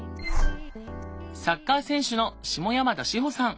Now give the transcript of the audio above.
サッカー選手の下山田志帆さん。